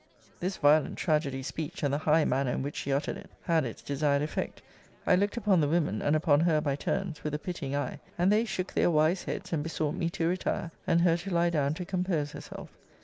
This violent tragedy speech, and the high manner in which she uttered it, had its desired effect. I looked upon the women, and upon her by turns, with a pitying eye; and they shook their wise heads, and besought me to retire, and her to lie down to compose herself.